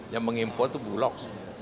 yang mengimpor itu bulok